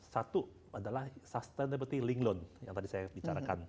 satu adalah sustainability link loan yang tadi saya bicarakan